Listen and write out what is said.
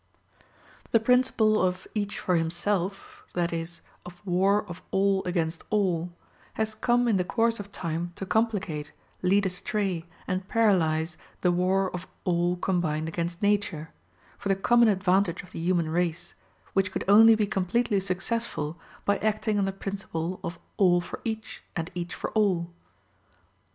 The principle of each for himself, that is, of war of all against all, has come in the course of time to complicate, lead astray, and paralyze the war of all combined against nature, for the common advantage of the human race, which could only be completely successful by acting on the principle of all for each, and each for all.